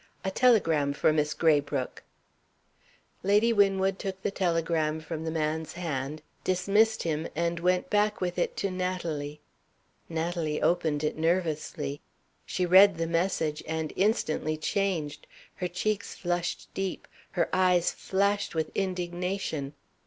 A telegram for Miss Graybrooke." Lady Winwood took the telegram from the man's hand; dismissed him, and went back with it to Natalie. Natalie opened it nervously. She read the message and instantly changed. Her cheeks flushed deep; her eyes flashed with indignation.